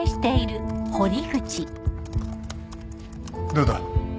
どうだ？